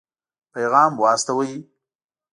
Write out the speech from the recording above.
پيغام واستاوه.